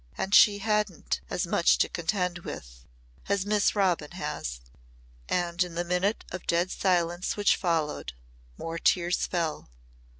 And she hadn't as much to contend with as Miss Robin has." And in the minute of dead silence which followed more tears fell.